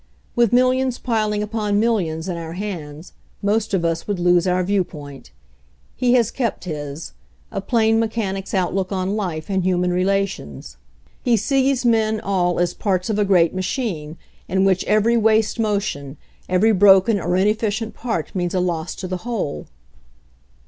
With millions piling upon millions in our hands, most of us would lose our viewpoint. He has kept his — a plain mechanic's outlook on life and human relations. He sees men all as parts i I vi FOREWORD of a great machine, in which every waste mo tion, every broken or inefficient part means a loss to the whole.